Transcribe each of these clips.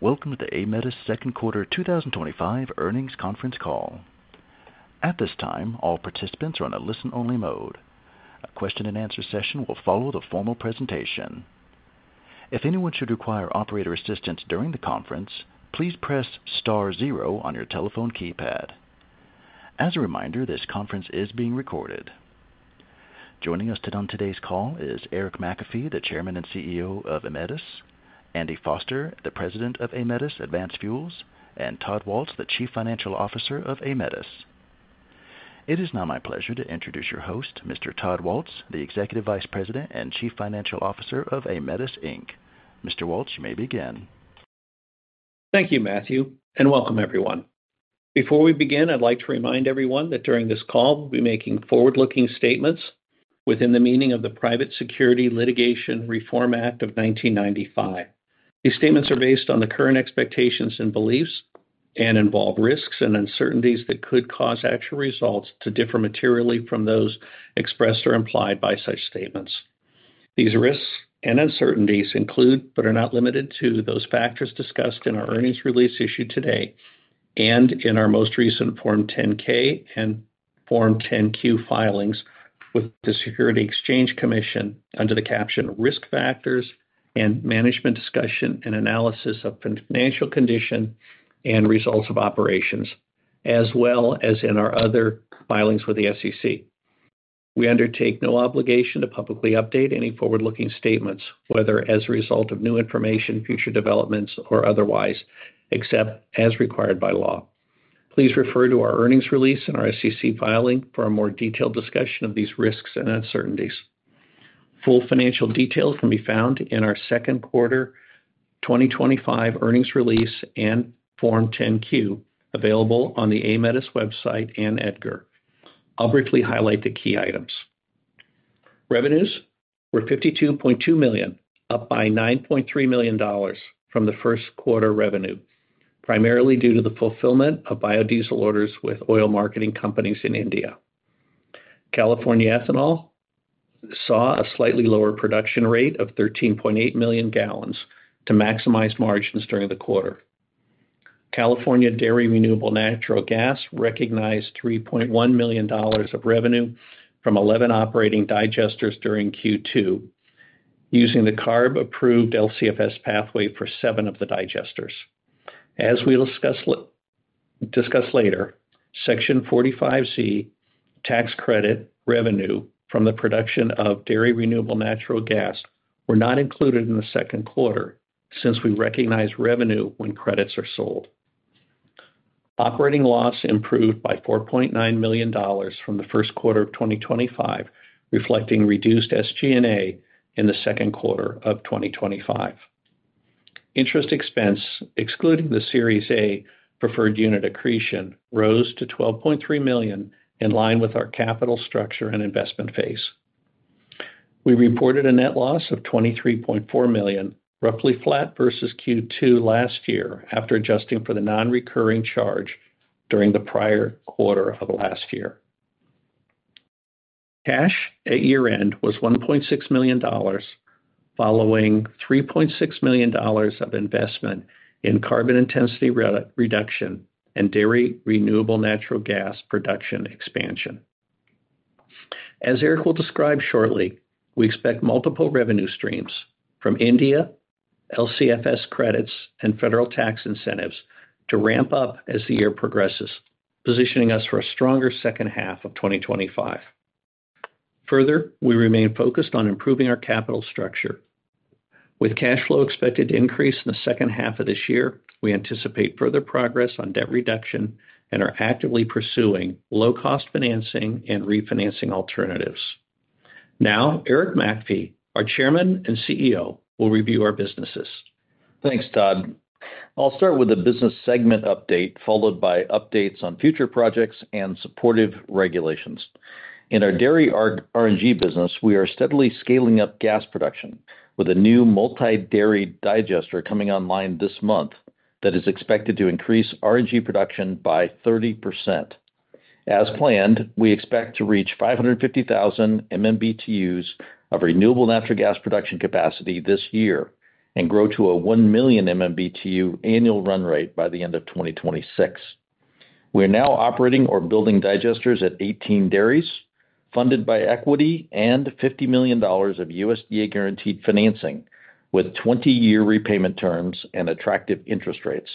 Welcome to the Aemetis Second Quarter 2025 Earnings Conference Call. At this time, all participants are in a listen-only mode. A question-and-answer session will follow the formal presentation. If anyone should require operator assistance during the conference, please press star zero on your telephone keypad. As a reminder, this conference is being recorded. Joining us on today's call is Eric McAfee, the Chairman and CEO of Aemetis, Andy Foster, the President of Aemetis Advanced Fuels, and Todd Waltz, the Chief Financial Officer of Aemetis. It is now my pleasure to introduce your host, Mr. Todd Waltz, the Executive Vice President and Chief Financial Officer of Aemetis, Inc. Mr. Waltz, you may begin. Thank you, Matthew, and welcome, everyone. Before we begin, I'd like to remind everyone that during this call, we'll be making forward-looking statements within the meaning of the Private Securities Litigation Reform Act of 1995. These statements are based on the current expectations and beliefs and involve risks and uncertainties that could cause actual results to differ materially from those expressed or implied by such statements. These risks and uncertainties include, but are not limited to, those factors discussed in our earnings release issued today and in our most recent Form 10-K and Form 10-Q filings with the Securities and Exchange Commission under the caption "Risk Factors and Management Discussion and Analysis of Financial Condition and Results of Operations," as well as in our other filings with the SEC. We undertake no obligation to publicly update any forward-looking statements, whether as a result of new information, future developments, or otherwise, except as required by law. Please refer to our earnings release and our SEC filing for a more detailed discussion of these risks and uncertainties. Full financial details can be found in our second quarter 2025 earnings release and Form 10-Q, available on the Aemetis website and at GERC. I'll briefly highlight the key items. Revenues were $52.2 million, up by $9.3 million from the first quarter revenue, primarily due to the fulfillment of biodiesel orders with oil marketing companies in India. California Ethanol saw a slightly lower production rate of 13.8 million gal to maximize margins during the quarter. California Dairy Renewable Natural Gas recognized $3.1 million of revenue from 11 operating digesters during Q2, using the CARB-approved LCFS pathway for seven of the digesters. As we'll discuss later, Section 45(z) tax credit revenue from the production of dairy renewable natural gas were not included in the second quarter since we recognize revenue when credits are sold. Operating loss improved by $4.9 million from the first quarter of 2025, reflecting reduced SG&A in the second quarter of 2025. Interest expense, excluding the Series A preferred unit accretion, rose to $12.3 million in line with our capital structure and investment phase. We reported a net loss of $23.4 million, roughly flat versus Q2 last year after adjusting for the non-recurring charge during the prior quarter of last year. Cash at year-end was $1.6 million, following $3.6 million of investment in carbon intensity reduction and dairy renewable natural gas production expansion. As Eric will describe shortly, we expect multiple revenue streams from India, LCFS credits, and federal tax incentives to ramp up as the year progresses, positioning us for a stronger second half of 2025. Further, we remain focused on improving our capital structure. With cash flow expected to increase in the second half of this year, we anticipate further progress on debt reduction and are actively pursuing low-cost financing and refinancing alternatives. Now, Eric McAfee, our Chairman and CEO, will review our businesses. Thanks, Todd. I'll start with a business segment update, followed by updates on future projects and supportive regulations. In our dairy renewable natural gas business, we are steadily scaling up gas production with a new multi-dairy digester coming online this month that is expected to increase renewable natural gas production by 30%. As planned, we expect to reach 550,000 MMBtu of renewable natural gas production capacity this year and grow to a 1 million MMBtu annual run rate by the end of 2026. We are now operating or building digesters at 18 dairies, funded by equity and $50 million of USDA guaranteed financing, with 20-year repayment terms and attractive interest rates.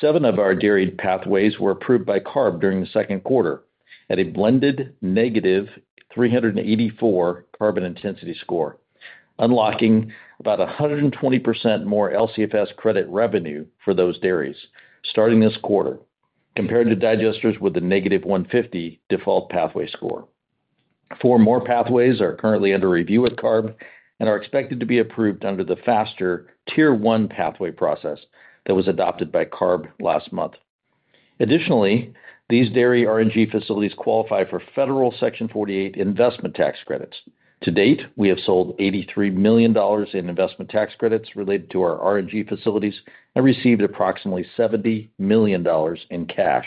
Seven of our dairy pathways were approved by the CARB during the second quarter at a blended negative 384 carbon intensity score, unlocking about 120% more LCFS credit revenue for those dairies, starting this quarter, compared to digesters with a -150 default pathway score. Four more pathways are currently under review at the California Air Resources Board and are expected to be approved under the faster Tier 1 pathway process that was adopted by the CARB last month. Additionally, these dairy renewable natural gas facilities qualify for federal Section 48 investment tax credits. To date, we have sold $83 million in investment tax credits related to our renewable natural gas facilities and received approximately $70 million in cash.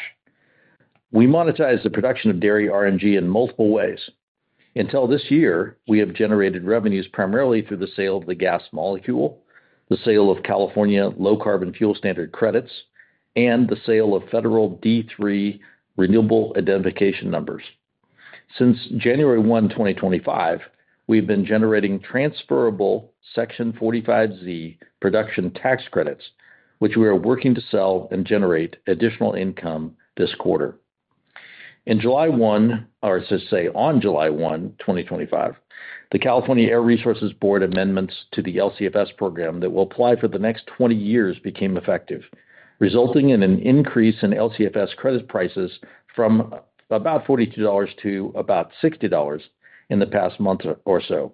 We monetize the production of dairy RNG in multiple ways. Until this year, we have generated revenues primarily through the sale of the gas molecule, the sale of California Low Carbon Fuel Standard credits, and the sale of federal D3 renewable identification numbers. Since January 1, 2025, we've been generating transferable Section 45(z) production tax credits, which we are working to sell and generate additional income this quarter. On July 1, 2025, the California Air Resources Board amendments to the LCFS program that will apply for the next 20 years became effective, resulting in an increase in LCFS credit prices from about $42 to about $60 in the past month or so.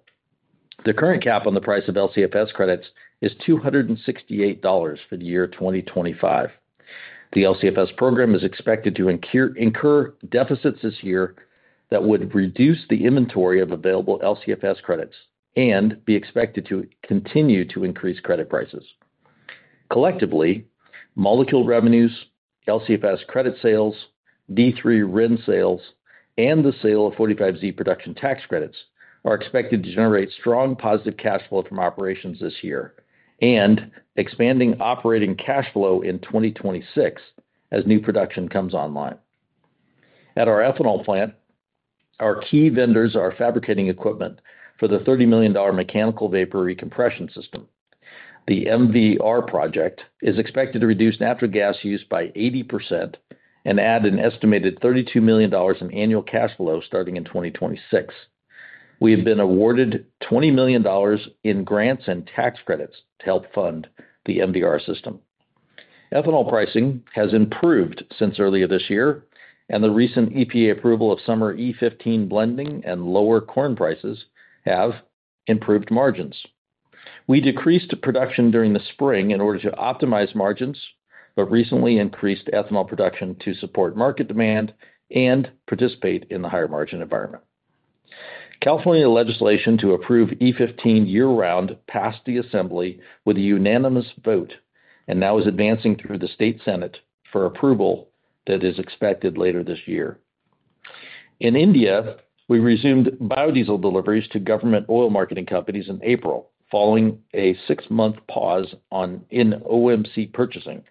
The current cap on the price of LCFS credits is $268 for the year 2025. The LCFS program is expected to incur deficits this year that would reduce the inventory of available LCFS credits and be expected to continue to increase credit prices. Collectively, molecule revenues, LCFS credit sales, D3 RIN sales, and the sale of 45(z) production tax credits are expected to generate strong positive cash flow from operations this year and expanding operating cash flow in 2026 as new production comes online. At our ethanol plant, our key vendors are fabricating equipment for the $30 million mechanical vapor recompression system. The MVR project is expected to reduce natural gas use by 80% and add an estimated $32 million in annual cash flow starting in 2026. We have been awarded $20 million in grants and tax credits to help fund the MVR system. Ethanol pricing has improved since earlier this year, and the recent EPA approval of summer E15 blending and lower corn prices have improved margins. We decreased production during the spring in order to optimize margins, but recently increased ethanol production to support market demand and participate in the higher margin environment. California legislation to approve E15 year-round passed the Assembly with a unanimous vote and now is advancing through the State Senate for approval that is expected later this year. In India, we resumed biodiesel deliveries to government oil marketing companies in April, following a six-month pause in OMC purchasing,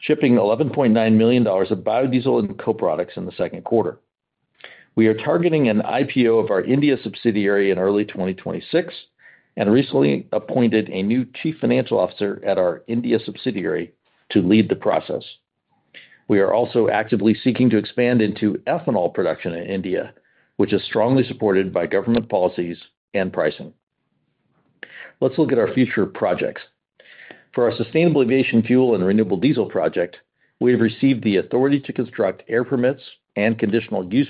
shipping $11.9 million of biodiesel and coproducts in the second quarter. We are targeting an IPO of our India subsidiary in early 2026 and recently appointed a new Chief Financial Officer at our India subsidiary to lead the process. We are also actively seeking to expand into ethanol production in India, which is strongly supported by government policies and pricing. Let's look at our future projects. For our sustainable aviation fuel and renewable diesel project, we have received the authority to construct air permits and conditional use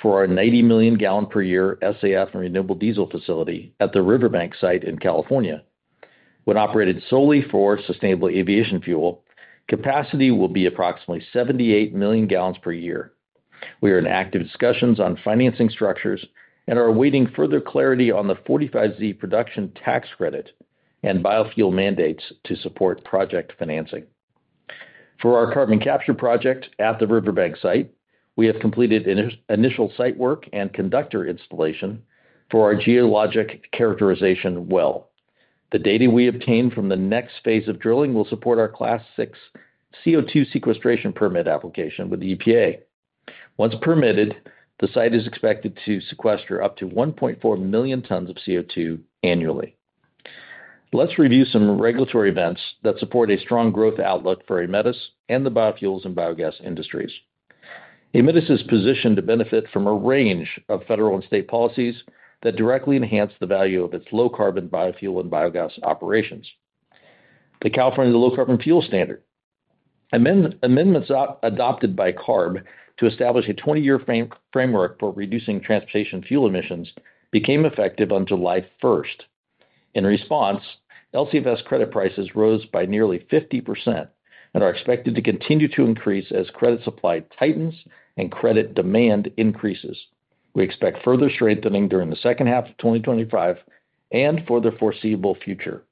permit for our 90 million gal per year SAF and renewable diesel facility at the Riverbank site in California. When operated solely for sustainable aviation fuel, capacity will be approximately 78 million gal per year. We are in active discussions on financing structures and are awaiting further clarity on the 45(z) production tax credit and biofuel mandates to support project financing. For our carbon capture project at the Riverbank site, we have completed initial site work and conductor installation for our geologic characterization well. The data we obtain from the next phase of drilling will support our Class VI CO2 sequestration permit application with the EPA. Once permitted, the site is expected to sequester up to 1.4 million tons of CO2 annually. Let's review some regulatory events that support a strong growth outlook for Aemetis and the biofuels and biogas industries. Aemetis is positioned to benefit from a range of federal and state policies that directly enhance the value of its low carbon biofuel and biogas operations. The California Low Carbon Fuel Standard, amendments adopted by CARB to establish a 20-year framework for reducing transportation fuel emissions, became effective on July 1st. In response, LCFS credit prices rose by nearly 50% and are expected to continue to increase as credit supply tightens and credit demand increases. We expect further strengthening during the second half of 2025 and for the foreseeable future.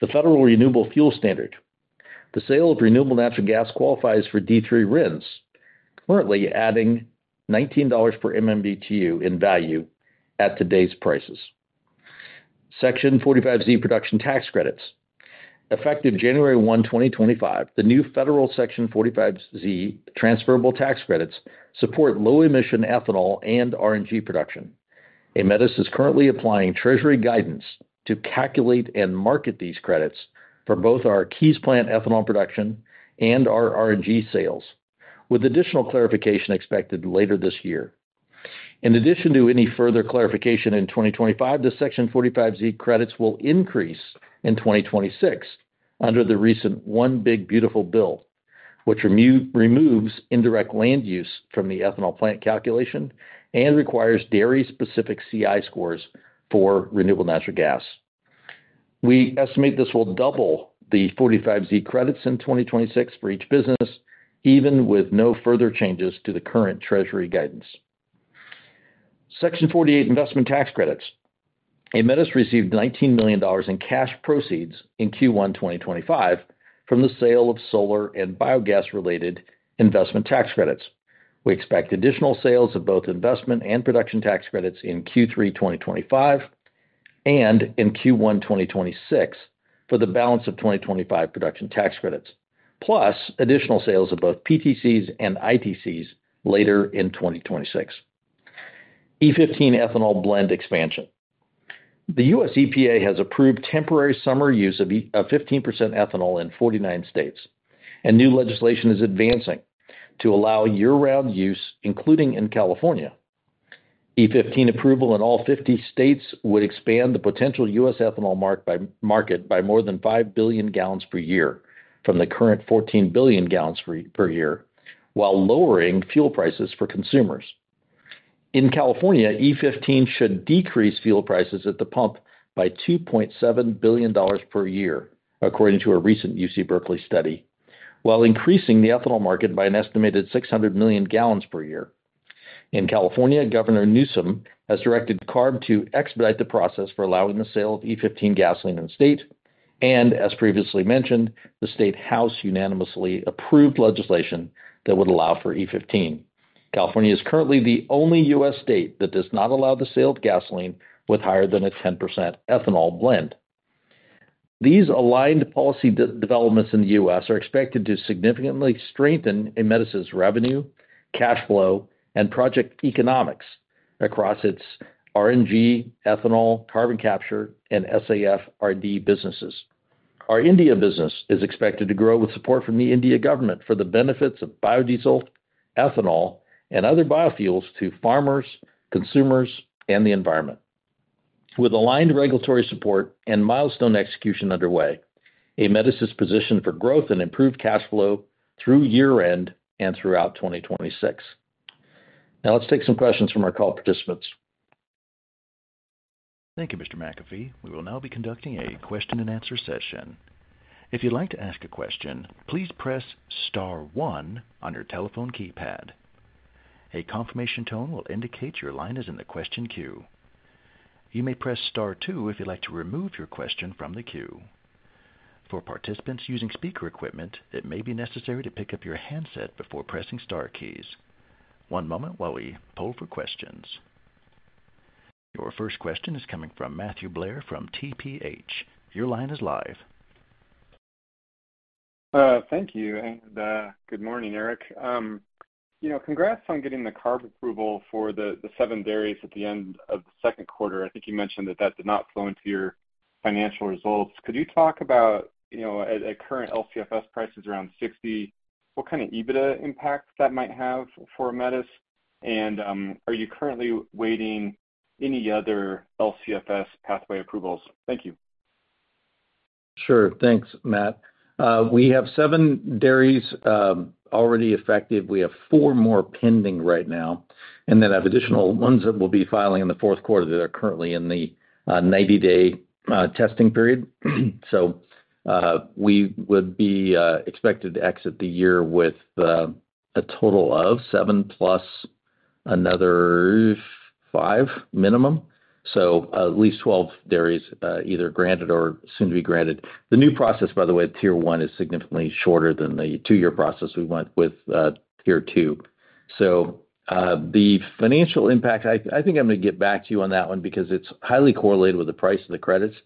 The Federal Renewable Fuel Standard, the sale of renewable natural gas qualifies for D3 RINs, currently adding $19 per MMBtu in value at today's prices. Section 45(z) production tax credits, effective January 1, 2025, the new federal Section 45(z) transferable tax credits support low-emission ethanol and RNG production. Aemetis is currently applying Treasury guidance to calculate and market these credits for both our Keys Plant ethanol production and our RNG sales, with additional clarification expected later this year. In addition to any further clarification in 2025, the Section 45(z) credits will increase in 2026 under the recent One Big Beautiful Bill, which removes indirect land use from the ethanol plant calculation and requires dairy-specific CI scores for renewable natural gas. We estimate this will double the 45(z) credits in 2026 for each business, even with no further changes to the current Treasury guidance. Section 48 investment tax credits, Aemetis received $19 million in cash proceeds in Q1 2025 from the sale of solar and biogas-related investment tax credits. We expect additional sales of both investment and production tax credits in Q3 2025 and in Q1 2026 for the balance of 2025 production tax credits, plus additional sales of both PTCs and ITCs later in 2026. E15 ethanol blend expansion, the U.S. EPA has approved temporary summer use of 15% ethanol in 49 states, and new legislation is advancing to allow year-round use, including in California. E15 approval in all 50 states would expand the potential U.S. ethanol market by more than 5 billion gal per year from the current 14 billion ga per year, while lowering fuel prices for consumers. In California, E15 should decrease fuel prices at the pump by $2.7 billion per year, according to a recent UC Berkeley study, while increasing the ethanol market by an estimated 600 million gal per year. In California, Governor Newsom has directed the CARB to expedite the process for allowing the sale of E15 gasoline in state, and as previously mentioned, the state House unanimously approved legislation that would allow for E15. California is currently the only U.S. state that does not allow the sale of gasoline with higher than a 10% ethanol blend. These aligned policy developments in the U.S. are expected to significantly strengthen Aemetis' revenue, cash flow, and project economics across its RNG, ethanol, carbon capture, and SAF/RD businesses. Our India business is expected to grow with support from the Indian government for the benefits of biodiesel, ethanol, and other biofuels to farmers, consumers, and the environment. With aligned regulatory support and milestone execution underway, Aemetis is positioned for growth and improved cash flow through year-end and throughout 2026. Now let's take some questions from our call participants. Thank you, Mr. McAfee. We will now be conducting a question-and-answer session. If you'd like to ask a question, please press star one on your telephone keypad. A confirmation tone will indicate your line is in the question queue. You may press star two if you'd like to remove your question from the queue. For participants using speaker equipment, it may be necessary to pick up your handset before pressing star keys. One moment while we poll for questions. Your first question is coming from Matthew Blair from TPH. Your line is live. Thank you, and good morning, Eric. Congrats on getting the CARB approval for the seven dairies at the end of the second quarter. I think you mentioned that that did not flow into your financial results. Could you talk about, at current LCFS prices around $60, what kind of EBITDA impact that might have for Aemetis? Are you currently waiting any other LCFS pathway approvals? Thank you. Sure, thanks, Matt. We have seven dairies already effective. We have four more pending right now, and then I have additional ones that we'll be filing in the fourth quarter that are currently in the 90-day testing period. We would be expected to exit the year with a total of seven plus another five minimum, so at least 12 dairies either granted or soon to be granted. The new process, by the way, Tier 1 is significantly shorter than the two-year process we went with Tier 2. The financial impact, I think I'm going to get back to you on that one because it's highly correlated with the price of the credits.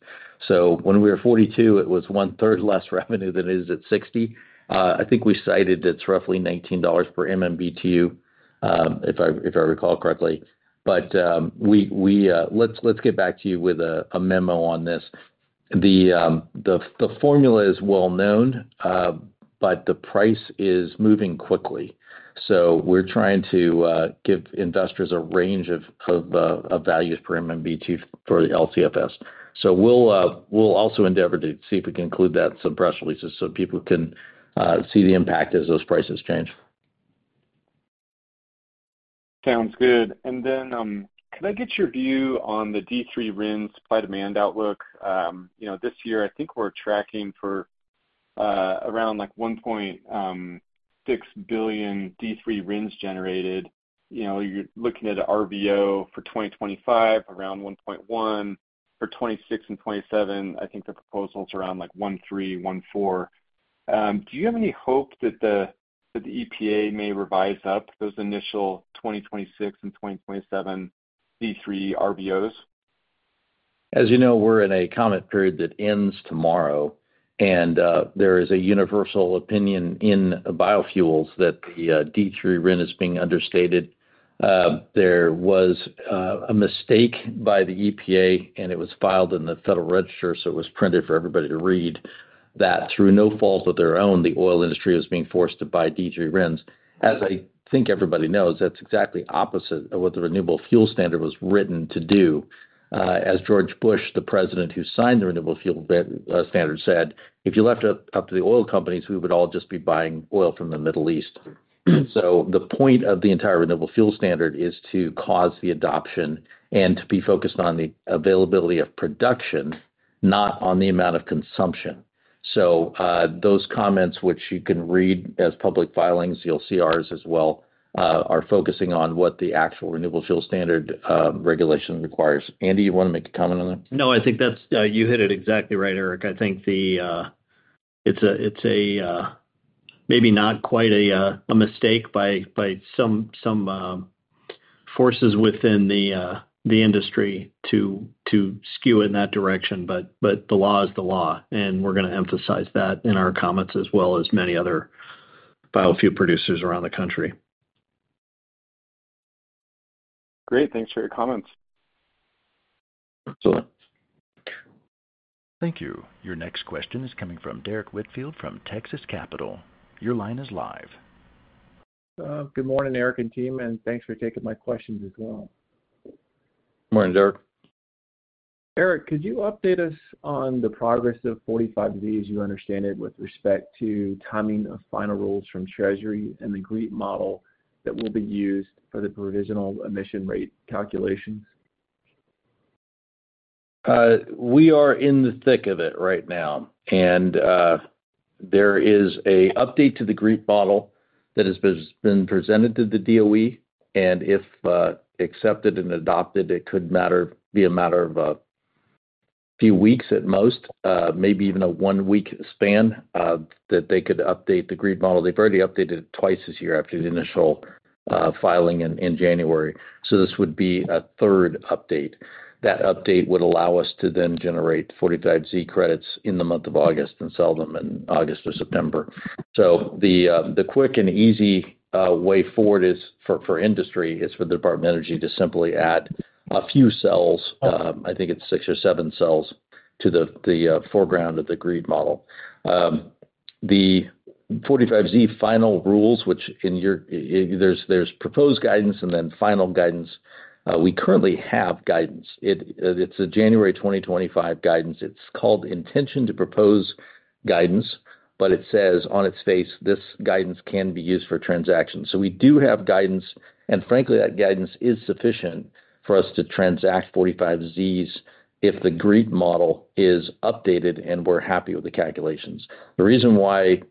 When we were at $42, it was 1/3 less revenue than it is at $60. I think we cited it's roughly $19 per MMBtu, if I recall correctly. Let's get back to you with a memo on this. The formula is well known, but the price is moving quickly. We're trying to give investors a range of values per MMBtu for the LCFS. We'll also endeavor to see if we can include that in some press releases so people can see the impact as those prices change. Sounds good. Could I get your view on the D3 RIN supply-demand outlook? This year I think we're tracking for around $1.6 billion D3 RINs generated. You're looking at an RVO for 2025 around $1.1 billion. For 2026 and 2027, I think the proposal is around $1.3 billion, $1.4 billion. Do you have any hope that the EPA may revise up those initial 2026 and 2027 D3 RVOs? As you know, we're in a comment period that ends tomorrow, and there is a universal opinion in biofuels that the D3 RIN is being understated. There was a mistake by the EPA, and it was filed in the Federal Register, so it was printed for everybody to read that through no fault of their own, the oil industry was being forced to buy D3 RINs. As I think everybody knows, that's exactly opposite of what the Renewable Fuel Standard was written to do. As George Bush, the President who signed the Renewable Fuel Standard, said, "If you left it up to the oil companies, we would all just be buying oil from the Middle East." The point of the entire Renewable Fuel Standard is to cause the adoption and to be focused on the availability of production, not on the amount of consumption. Those comments, which you can read as public filings, you'll see ours as well, are focusing on what the actual Renewable Fuel Standard regulation requires. Andy, you want to make a comment on that? No, I think you hit it exactly right, Eric. I think it's maybe not quite a mistake by some forces within the industry to skew in that direction, but the law is the law, and we're going to emphasize that in our comments as well as many other biofuel producers around the country. Great, thanks for your comments. Thank you. Your next question is coming from Derrick Whitfield from Texas Capital. Your line is live. Good morning, Eric and team, and thanks for taking my questions as well. Morning, Derek. Eric, could you update us on the progress of Section 45(z) as you understand it with respect to timing of final rules from Treasury and the GREET model that will be used for the provisional emission rate calculations? We are in the thick of it right now, and there is an update to the GREET model that has been presented to the DOE, and if accepted and adopted, it could be a matter of a few weeks at most, maybe even a one-week span that they could update the GREET model. They've already updated it twice this year after the initial filing in January. This would be a third update. That update would allow us to then generate 45(z) credits in the month of August and sell them in August or September. The quick and easy way forward is for industry, it's for the Department of Energy to simply add a few cells, I think it's six or seven cells, to the foreground of the GREET model. The 45(z) final rules, which in your there's proposed guidance and then final guidance, we currently have guidance. It's a January 2025 guidance. It's called intention to propose guidance, but it says on its face, this guidance can be used for transactions. We do have guidance, and frankly, that guidance is sufficient for us to transact 45(z)s if the GREET model is updated and we're happy with the calculations. The reason why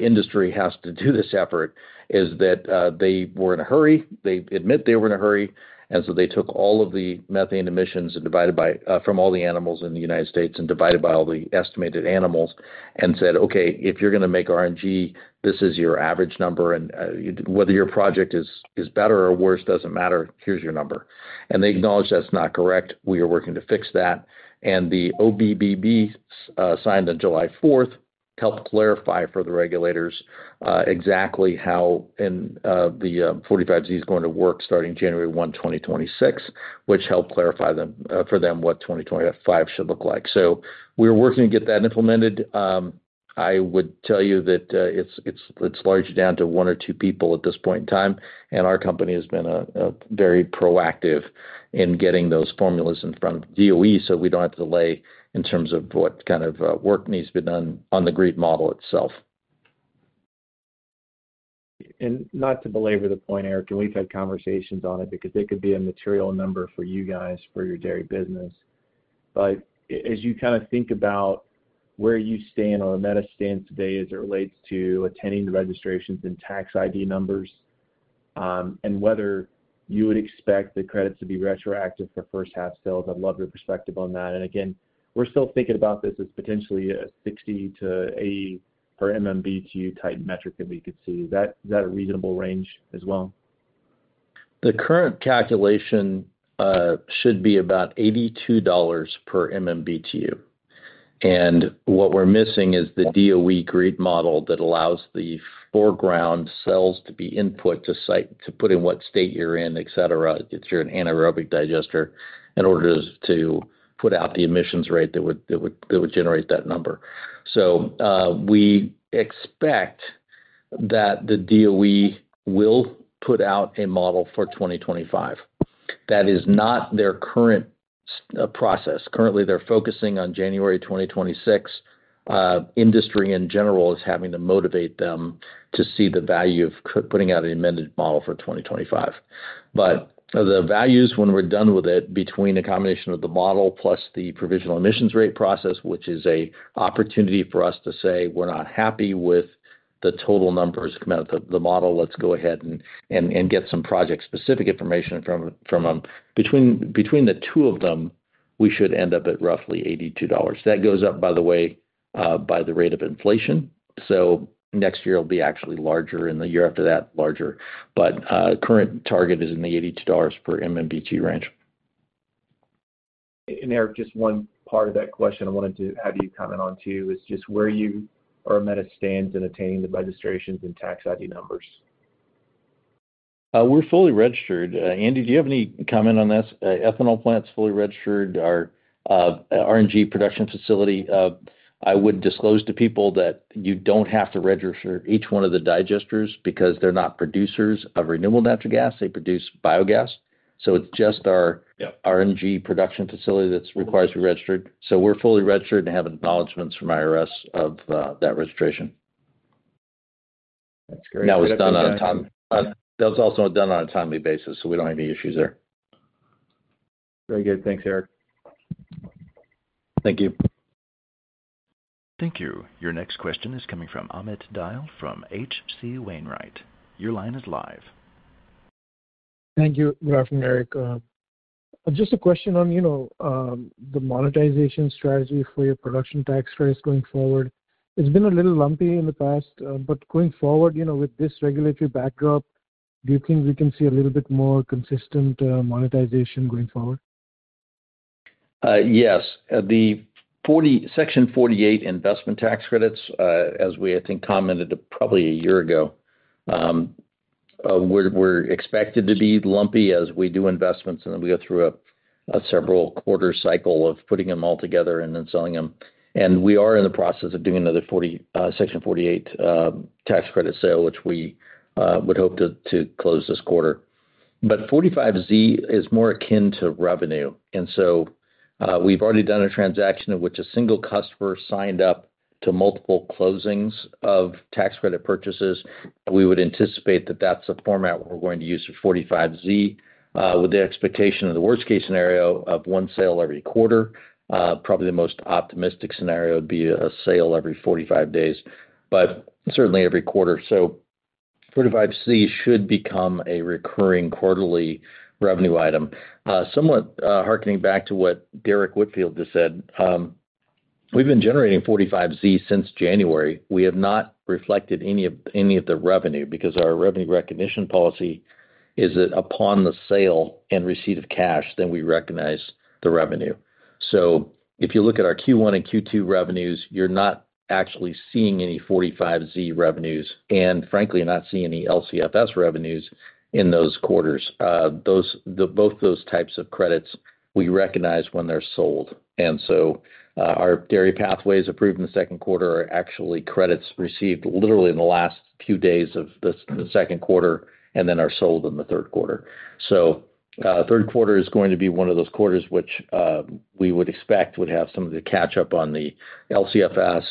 industry has to do this effort is that they were in a hurry. They admit they were in a hurry, and they took all of the methane emissions and divided by from all the animals in the United States and divided by all the estimated animals and said, "Okay, if you're going to make RNG, this is your average number, and whether your project is better or worse doesn't matter, here's your number." They acknowledged that's not correct. We are working to fix that. The OBBB signed on July 4th helped clarify for the regulators exactly how the 45(z) is going to work starting January 1, 2026, which helped clarify for them what 2025 should look like. We are working to get that implemented. I would tell you that it's largely down to one or two people at this point in time, and our company has been very proactive in getting those formulas in front of the DOE so we don't have to delay in terms of what kind of work needs to be done on the GREET model itself. Not to belabor the point, Eric, we've had conversations on it because it could be a material number for you guys for your dairy business. As you kind of think about where you stand or Aemetis stands today as it relates to attending the registrations and tax ID numbers and whether you would expect the credits to be retroactive for first-half sales, I'd love your perspective on that. We're still thinking about this as potentially a $60-$80 per MMBtu type metric that we could see. Is that a reasonable range as well? The current calculation should be about $82 per MMBtu. What we're missing is the DOE GREET model that allows the foreground cells to be input to put in what state you're in, etc., if you're an anaerobic digester, in order to put out the emissions rate that would generate that number. We expect that the DOE will put out a model for 2025. That is not their current process. Currently, they're focusing on January 2026. Industry in general is having to motivate them to see the value of putting out an amended model for 2025. The values, when we're done with it, between a combination of the model plus the provisional emissions rate process, which is an opportunity for us to say we're not happy with the total numbers that come out of the model, let's go ahead and get some project-specific information from them. Between the two of them, we should end up at roughly $82. That goes up, by the way, by the rate of inflation. Next year will be actually larger and the year after that larger. The current target is in the $82 per MMBtu range. Eric, just one part of that question I wanted to have you comment on too is just where you or Aemetis stands in attaining the registrations and tax ID numbers. We're fully registered. Andy, do you have any comment on this? Ethanol plant's fully registered. Our RNG production facility, I would disclose to people that you don't have to register each one of the digesters because they're not producers of renewable natural gas. They produce biogas. It's just our RNG production facility that requires to be registered. We're fully registered and have acknowledgments from IRS of that registration. That's great. That was also done on a timely basis, so we don't have any issues there. Very good. Thanks, Eric. Thank you. Thank you. Your next question is coming from Amit Dayal from H.C. Wainwright. Your line is live. Thank you, your afternoon, Eric. Just a question on the monetization strategy for your production tax credits going forward. It's been a little lumpy in the past, but going forward, with this regulatory backdrop, do you think we can see a little bit more consistent monetization going forward? Yes. The Section 48 investment tax credits, as we, I think, commented probably a year ago, were expected to be lumpy as we do investments, and then we go through a several-quarter cycle of putting them all together and then selling them. We are in the process of doing another Section 48 tax credit sale, which we would hope to close this quarter. 45(z) is more akin to revenue. We've already done a transaction in which a single customer signed up to multiple closings of tax credit purchases. We would anticipate that that's the format we're going to use for 45(z), with the expectation of the worst-case scenario of one sale every quarter. Probably the most optimistic scenario would be a sale every 45 days, but certainly every quarter. 45(z) should become a recurring quarterly revenue item. Somewhat hearkening back to what Derrick Whitfield just said, we've been generating 45(z) since January. We have not reflected any of the revenue because our revenue recognition policy is that upon the sale and receipt of cash, then we recognize the revenue. If you look at our Q1 and Q2 revenues, you're not actually seeing any 45(z) revenues and frankly not seeing any LCFS revenues in those quarters. Both those types of credits we recognize when they're sold. Our dairy pathways approved in the second quarter are actually credits received literally in the last few days of the second quarter and then are sold in the third quarter. The third quarter is going to be one of those quarters which we would expect would have some of the catch-up on the LCFS,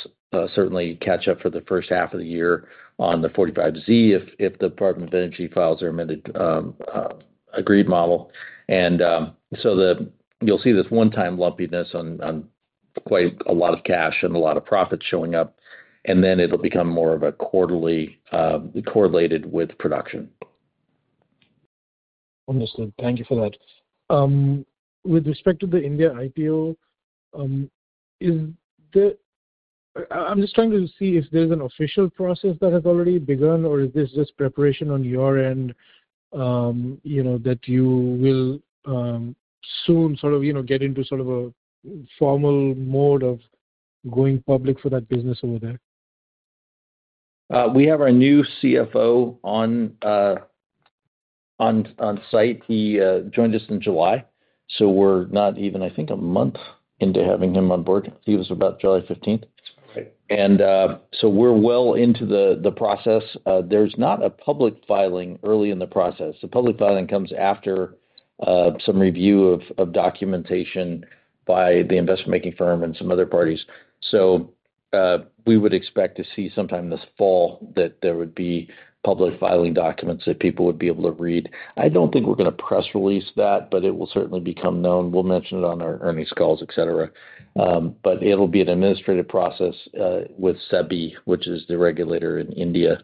certainly catch-up for the first half of the year on the 45(z) if the Department of Energy files their amended agreed model. You'll see this one-time lumpiness on quite a lot of cash and a lot of profits showing up, and then it'll become more of a quarterly correlated with production. Understood. Thank you for that. With respect to the India IPO, I'm just trying to see if there's an official process that has already begun or is this just preparation on your end, that you will soon get into a formal mode of going public for that business over there? We have our new CFO on site. He joined us in July, so we're not even, I think, a month into having him on board. I believe it was about July 15th. We're well into the process. There's not a public filing early in the process. The public filing comes after some review of documentation by the investment-making firm and some other parties. We would expect to see sometime this fall that there would be public filing documents that people would be able to read. I don't think we're going to press release that, but it will certainly become known. We'll mention it on our earnings calls, etc. It'll be an administrative process with the SEB of India, which is the regulator in India.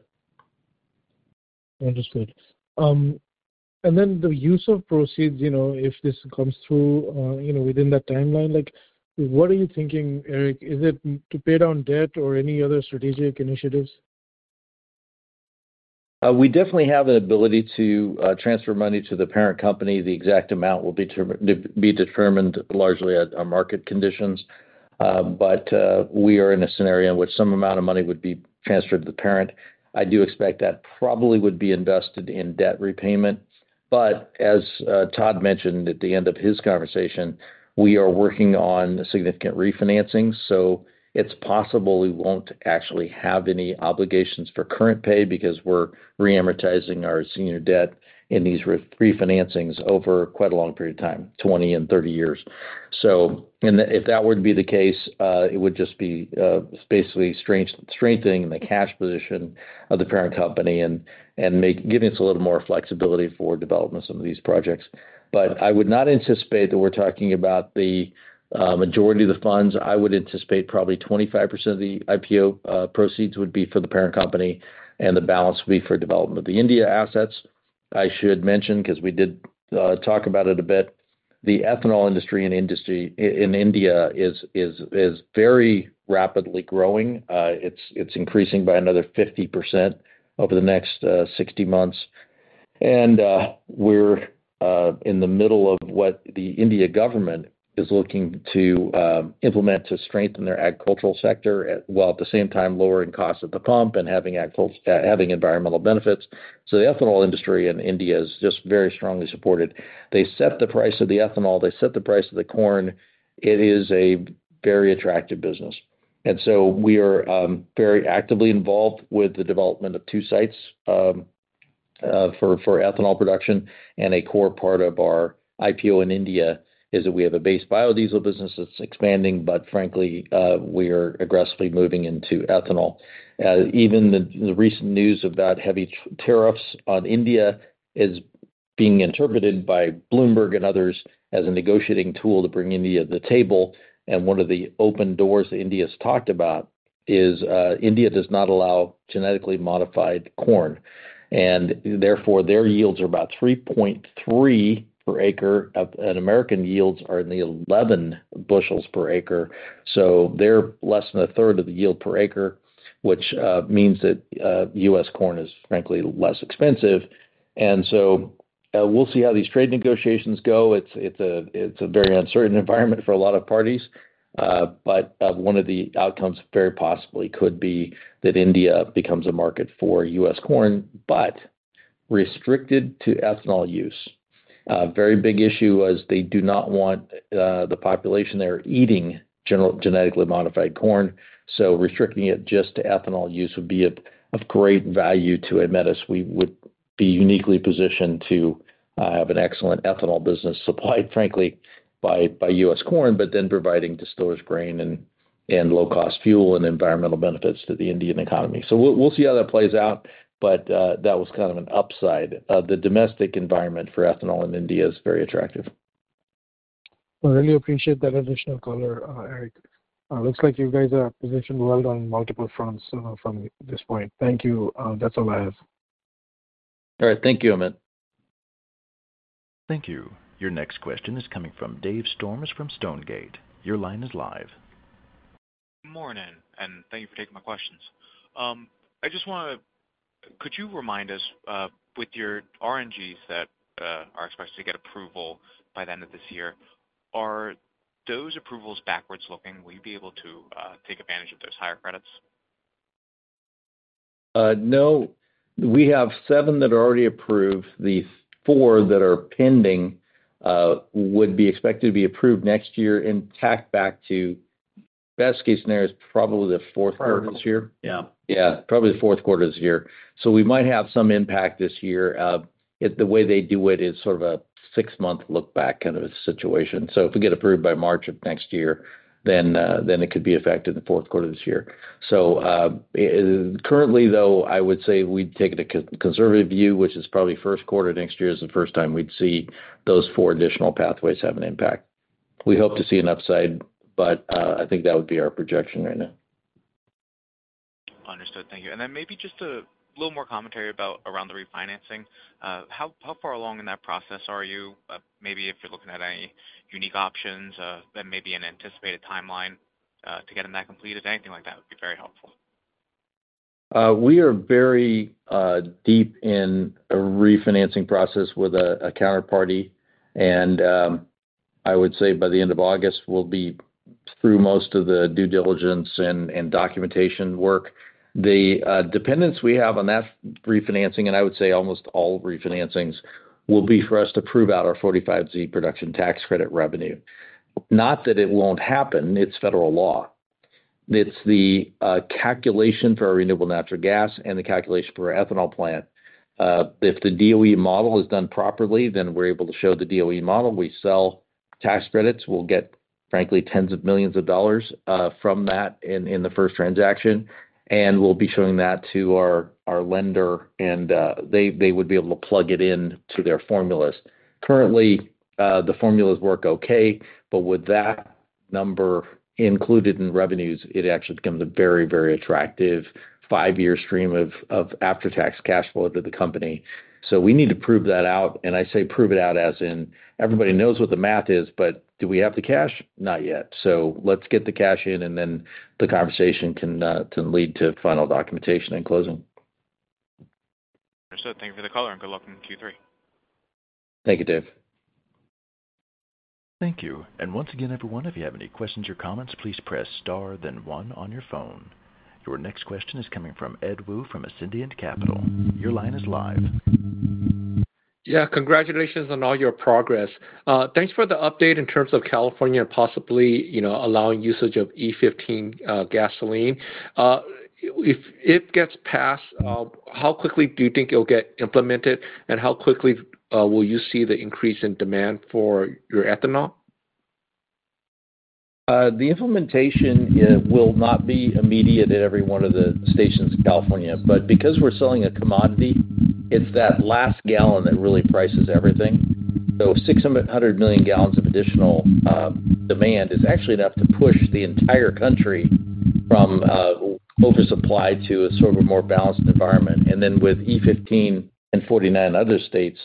Understood. The use of proceeds, if this comes through within that timeline, what are you thinking, Eric? Is it to pay down debt or any other strategic initiatives? We definitely have an ability to transfer money to the parent company. The exact amount will be determined largely on market conditions. We are in a scenario in which some amount of money would be transferred to the parent. I do expect that probably would be invested in debt repayment. As Todd mentioned at the end of his conversation, we are working on significant refinancing. It's possible we won't actually have any obligations for current pay because we're reamortizing our senior debt in these refinancings over quite a long period of time, 20 and 30 years. If that were to be the case, it would just be basically strengthening the cash position of the parent company and giving us a little more flexibility for development of some of these projects. I would not anticipate that we're talking about the majority of the funds.I would anticipate probably 25% of the IPO proceeds would be for the parent company, and the balance would be for development. The India assets, I should mention, because we did talk about it a bit, the ethanol industry in India is very rapidly growing. It's increasing by another 50% over the next 60 months. We're in the middle of what the Indian government is looking to implement to strengthen their agricultural sector while at the same time lowering costs at the pump and having environmental benefits. The ethanol industry in India is just very strongly supported. They set the price of the ethanol, they set the price of the corn. It is a very attractive business. We are very actively involved with the development of two sites for ethanol production. A core part of our IPO in India is that we have a base biodiesel business that's expanding, but frankly, we are aggressively moving into ethanol. Even the recent news about heavy tariffs on India is being interpreted by Bloomberg and others as a negotiating tool to bring India to the table. One of the open doors that India has talked about is India does not allow genetically modified corn. Therefore, their yields are about 3.3 per acre. American yields are in the 11 bushels per acre. They're less than a third of the yield per acre, which means that U.S. corn is frankly less expensive. We'll see how these trade negotiations go. It's a very uncertain environment for a lot of parties. One of the outcomes very possibly could be that India becomes a market for U.S. corn, but restricted to ethanol use. A very big issue was they do not want the population there eating genetically modified corn. Restricting it just to ethanol use would be of great value to Aemetis. We would be uniquely positioned to have an excellent ethanol business supplied, frankly, by U.S. corn, but then providing to store grain and low-cost fuel and environmental benefits to the Indian economy. We'll see how that plays out. That was kind of an upside. The domestic environment for ethanol in India is very attractive. I really appreciate that additional color, Eric. It looks like you guys are positioned well on multiple fronts from this point. Thank you. That's all I have. All right. Thank you, Amit. Thank you. Your next question is coming from Dave Storms from Stonegate. Your line is live. Morning, and thank you for taking my questions. I just want to, could you remind us with your RNGs that are expected to get approval by the end of this year, are those approvals backwards looking? Will you be able to take advantage of those higher credits? No. We have seven that are already approved. The four that are pending would be expected to be approved next year and tacked back to, best case scenario, is probably the fourth quarter of this year. Yeah. Yeah, probably the fourth quarter of this year. We might have some impact this year. The way they do it is sort of a six-month look-back kind of a situation. If we get approved by March of next year, then it could be effective in the fourth quarter of this year. Currently, though, I would say we'd take a conservative view, which is probably first quarter next year is the first time we'd see those four additional pathways have an impact. We hope to see an upside, but I think that would be our projection right now. Understood. Thank you. Maybe just a little more commentary about the refinancing. How far along in that process are you? Maybe if you're looking at any unique options and an anticipated timeline to get that completed, anything like that would be very helpful. We are very deep in a refinancing process with a counterparty. I would say by the end of August, we'll be through most of the due diligence and documentation work. The dependence we have on that refinancing, and I would say almost all refinancings, will be for us to prove out our Section 45(z) production tax credit revenue. Not that it won't happen. It's federal law. It's the calculation for our renewable natural gas and the calculation for our ethanol plant. If the DOE model is done properly, then we're able to show the DOE model. We sell tax credits. We'll get, frankly, tens of millions of dollars from that in the first transaction. We'll be showing that to our lender, and they would be able to plug it into their formulas. Currently, the formulas work okay, but with that number included in revenues, it actually becomes a very, very attractive five-year stream of after-tax cash flow to the company. We need to prove that out. I say prove it out as in everybody knows what the math is, but do we have the cash? Not yet. Let's get the cash in, and then the conversation can lead to final documentation and closing. Thank you for the call, and good luck in Q3. Thank you, Dave. Thank you. Once again, everyone, if you have any questions or comments, please press star, then one on your phone. Your next question is coming from Ed Woo from Ascendiant Capital. Your line is live. Yeah, congratulations on all your progress. Thanks for the update in terms of California and possibly, you know, allowing usage of E15 gasoline. If it gets passed, how quickly do you think you'll get implemented, and how quickly will you see the increase in demand for your ethanol? The implementation will not be immediate at every one of the stations in California, but because we're selling a commodity, it's that last gallon that really prices everything. $600 million gal of additional demand is actually enough to push the entire country from oversupply to a sort of a more balanced environment. With E15 and 49 other states,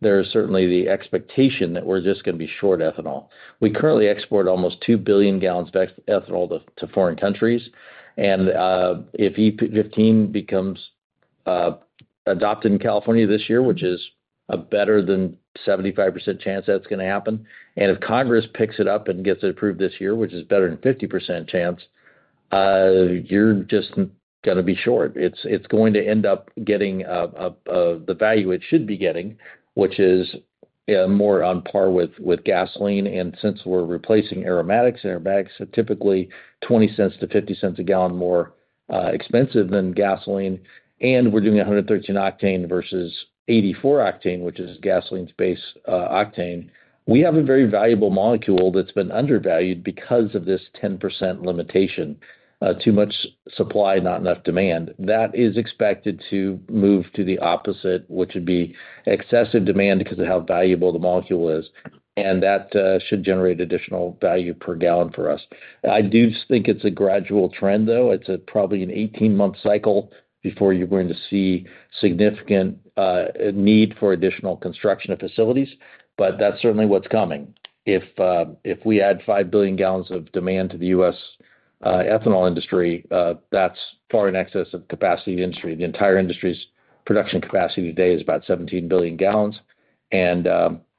there's certainly the expectation that we're just going to be short ethanol. We currently export almost $2 billion gal of ethanol to foreign countries. If E15 becomes adopted in California this year, which is a better than 75% chance that's going to happen, and if Congress picks it up and gets it approved this year, which is better than 50% chance, you're just going to be short. It's going to end up getting the value it should be getting, which is more on par with gasoline. Since we're replacing aromatics, and aromatics are typically $0.20-$0.50 a gallon more expensive than gasoline, and we're doing 113 octane versus 84 octane, which is gasoline-based octane, we have a very valuable molecule that's been undervalued because of this 10% limitation. Too much supply, not enough demand. That is expected to move to the opposite, which would be excessive demand because of how valuable the molecule is. That should generate additional value per gallon for us. I do think it's a gradual trend, though. It's probably an 18-month cycle before you're going to see significant need for additional construction of facilities. That's certainly what's coming. If we add $5 billion gal of demand to the U.S. ethanol industry, that's far in excess of the capacity of the industry. The entire industry's production capacity today is about $17 billion gal, and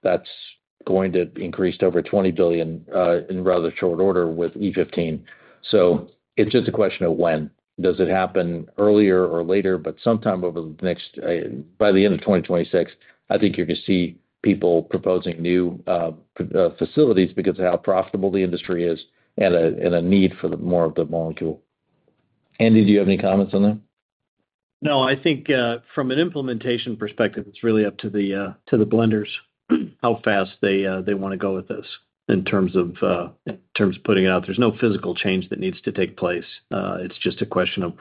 that's going to increase to over $20 billion in rather short order with E15. It's just a question of when. Does it happen earlier or later? Sometime over the next, by the end of 2026, I think you're going to see people proposing new facilities because of how profitable the industry is and a need for more of the molecule. Andy, do you have any comments on that? No, I think from an implementation perspective, it's really up to the blenders how fast they want to go with this in terms of putting it out. There's no physical change that needs to take place. It's just a question of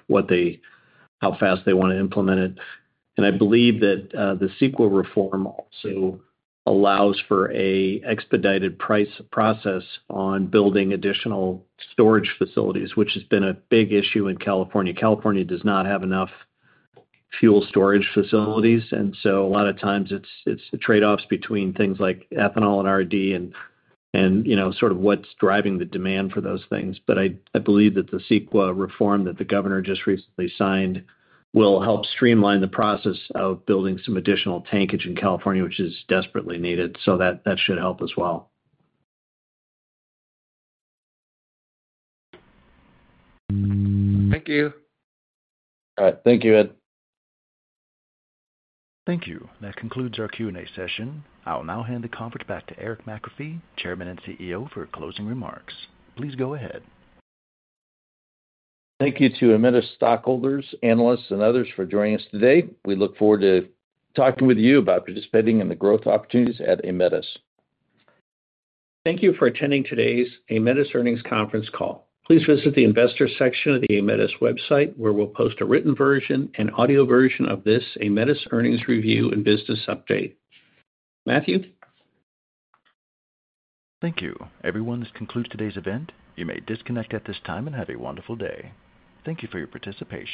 how fast they want to implement it. I believe that the CEQA reform also allows for an expedited process on building additional storage facilities, which has been a big issue in California. California does not have enough fuel storage facilities, and a lot of times it's the trade-offs between things like ethanol and RD and, you know, sort of what's driving the demand for those things. I believe that the CEQA reform that the governor just recently signed will help streamline the process of building some additional tankage in California, which is desperately needed. That should help as well. Thank you. All right. Thank you, Ed. Thank you. That concludes our Q&A session. I'll now hand the conference back to Eric McAfee, Chairman and CEO, for closing remarks. Please go ahead. Thank you to Aemetis stockholders, analysts, and others for joining us today. We look forward to talking with you about participating in the growth opportunities at Aemetis. Thank you for attending today's Aemetis Earnings Conference call. Please visit the Investor section of the Aemetis website, where we'll post a written version and audio version of this Aemetis Earnings Review and Business Update. Matthew? Thank you. Everyone, this concludes today's event. You may disconnect at this time and have a wonderful day. Thank you for your participation.